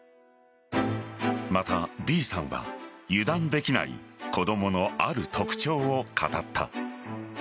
また、Ｂさんは油断できない子供のある特徴を語った。